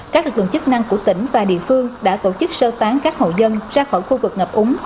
các lực lượng chức năng của tỉnh và địa phương đã tổ chức sơ tán các hộ dân ra khỏi khu vực ngập úng